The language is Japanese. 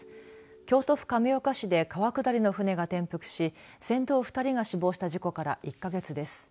京都府亀岡市で川下りの舟が転覆し船頭２人が死亡した事故から１か月です。